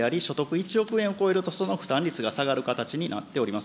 １億円を超えるとその負担率が下がる形になっております。